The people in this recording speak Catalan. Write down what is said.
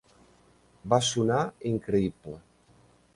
Va sonar increïble.